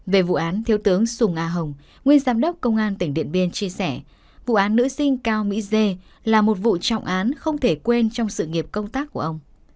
về vụ án thiếu tướng sùng a hồng nguyên giám đốc công an tỉnh điện biên chia sẻ vụ án nữ sinh cao mỹ dê là một vụ trọng án không thể quên trong sự nghiệp công tác của ông